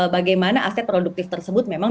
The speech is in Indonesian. bagaimana aset produktif tersebut memang